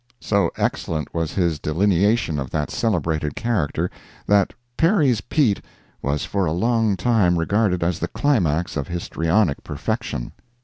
So excellent was his delineation of that celebrated character that "Perry's Pete" was for a long time regarded as the climax of histrionic perfection.